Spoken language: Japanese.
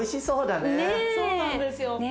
そうなんですよ。